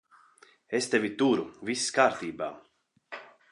Es tevi turu. Viss kārtībā.